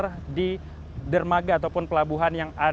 dan di kepulauan natuna dan kepulauan riau